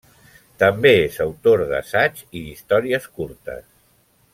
També és autor d'assaig i d'històries curtes.